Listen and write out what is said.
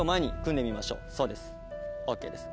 そうですＯＫです